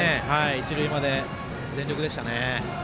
一塁まで全力でしたね。